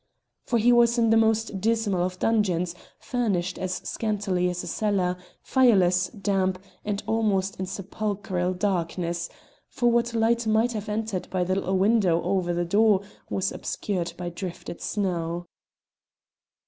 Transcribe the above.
For he was in the most dismal of dungeons, furnished as scantily as a cellar, fireless, damp, and almost in sepulchral darkness, for what light might have entered by a little window over the door was obscured by drifted snow.